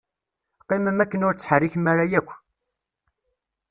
Qqimem akken ur ttḥerrikem ara akk.